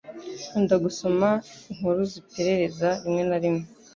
Nkunda gusoma inkuru ziperereza rimwe na rimwe.